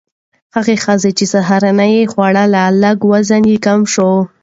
هغه ښځې چې سهارنۍ یې خوړله، لږ وزن یې کم شو.